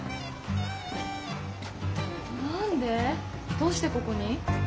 どうしてここに？